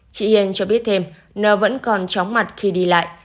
chị hiển cho biết thêm n vẫn còn chóng mặt khi đi lại